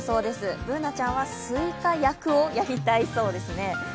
Ｂｏｏｎａちゃんはスイカ役をやりたいそうですね。